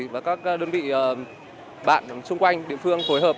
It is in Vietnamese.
và các đơn vị bạn xung quanh địa phương phối hợp